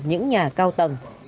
những nhà cao tầng